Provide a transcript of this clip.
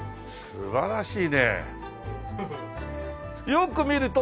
素晴らしい。